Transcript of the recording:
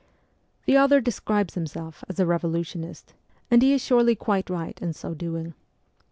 The author describes himself as a Revolutionist, and he is surely quite right in so doing.